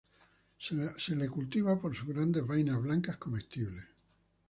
Se la cultiva por sus grandes vainas blancas comestibles.